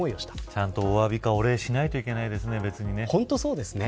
ちゃんとお詫びかお礼をしなければいけないですね